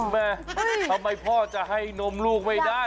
แม่เพราะมั้ยพ่อจะให้นมลูกว่ะไม่ได้